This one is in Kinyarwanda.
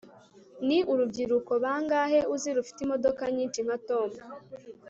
ni urubyiruko bangahe uzi rufite imodoka nyinshi nka tom